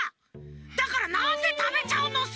だからなんでたべちゃうのさ！